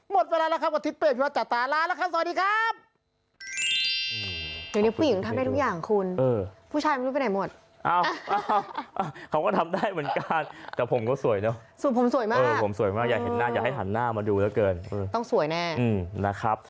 หมดเวลาแล้วครับวันทิศเป้ขอจัดตาร้านแล้วค่ะสวัสดีครับ